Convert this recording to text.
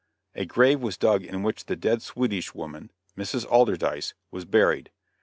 A grave was dug in which the dead Swedish woman, Mrs. Alderdice, was buried.